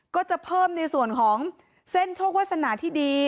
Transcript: ก็จะเพิ่มในส่วนของเส้นโชควาสนาที่ดี